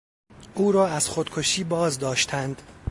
او را از خودکشی بازداشتند.